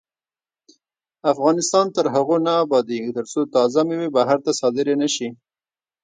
افغانستان تر هغو نه ابادیږي، ترڅو تازه میوې بهر ته صادرې نشي.